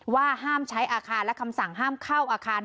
ว่าห้ามใช้อาคารและคำสั่งห้ามเข้าอาคาร